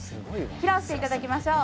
披露して頂きましょう。